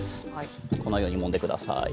このように、もんでください。